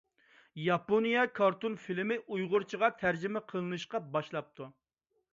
ياپونىيە كارتون فىلىمى ئۇيغۇرچىغا تەرجىمە قىلىنىشقا باشلاپتۇ.